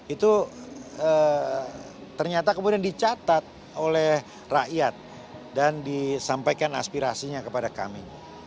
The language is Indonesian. itu ternyata kemudian dicatat oleh rakyat dan disampaikan aspirasinya kepada kami